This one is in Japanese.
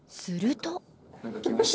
すると。